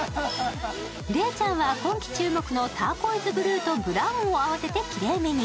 礼ちゃんは今季注目のターコイズブルーとブラウンを合わせてきれいめに。